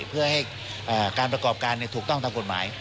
เพื่อให้การประกอบการถูกต้องตามกฎหมาย